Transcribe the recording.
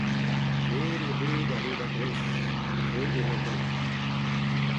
Ret eo bet a-hed ar wech ha ret e vo atav.